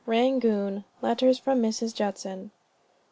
RANGOON; LETTERS FROM MRS. JUDSON.